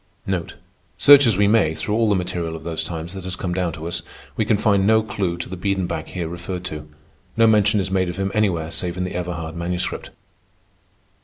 Search as we may through all the material of those times that has come down to us, we can find no clew to the Biedenbach here referred to. No mention is made of him anywhere save in the Everhard Manuscript.